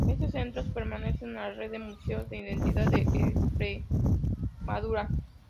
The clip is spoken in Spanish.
Estos centros pertenecen a la red de Museos de Identidad de Extremadura.